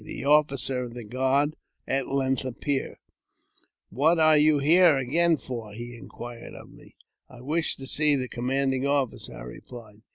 The officer of the guard at length appeared. •* What are you here again for ?" he inquired of me. '* I wish to see the commanding officer," I replied.